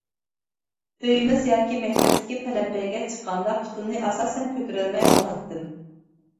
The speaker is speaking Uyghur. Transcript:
ئۆيىمىز ياكى مەكتەپتىكى پەلەمپەيگە چىققاندا، پۇتۇمنى ئاساسەن كۆتۈرەلمەي قالاتتىم.